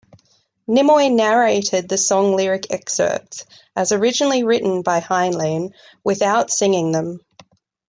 Nimoy narrated the song lyric excerpts as originally written by Heinlein without singing them.